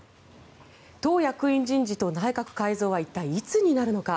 党役員人事と内閣改造は一体いつになるのか。